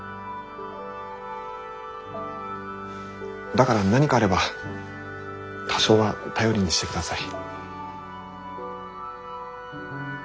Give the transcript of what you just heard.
だから何かあれば多少は頼りにしてください。